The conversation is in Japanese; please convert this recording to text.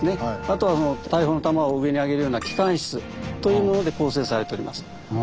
あとは大砲の弾を上にあげるような機関室というもので構成されております。